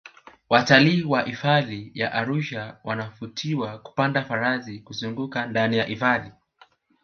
watalii wa hifadhi ya arusha wanavutiwa kupanda farasi kuzungaka ndani ya hifadhi